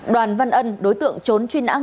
đoàn văn ân đối tượng trốn truy nãng